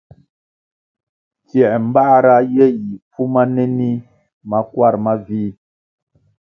Tsiē mbāra ye yi pfuma nenih makwar mavih,